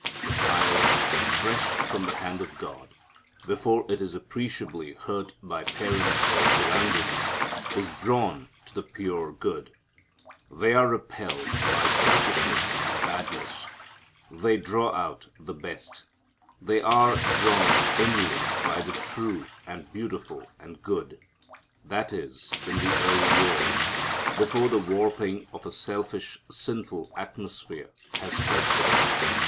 The child, fresh from the hand of God, before it is appreciably hurt by parents or surroundings, is drawn to the pure and good. They are repelled by selfishness and badness. They draw out the best. They are drawn only by the true and beautiful and good. That is, in the early years, before the warping of a selfish, sinful atmosphere has hurt them.